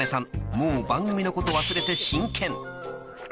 もう番組のこと忘れて］